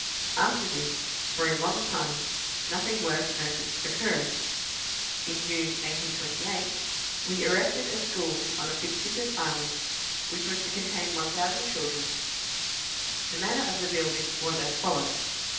After this, for a long time, nothing worth noticing occurred. In June, 1828, we erected a school on a fictitious island, which was to contain 1,000 children. The manner of the building was as follows.